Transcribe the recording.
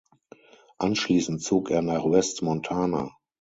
Anschließend zog er nach West Montana.